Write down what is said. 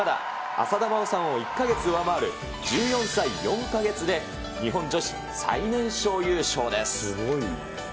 浅田真央さんを１か月上回る１４歳４か月で、日本女子最年少優勝です。